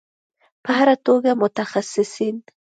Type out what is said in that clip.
په هر توګه متخصصین